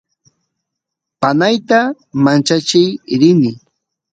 panayta manchachiy rini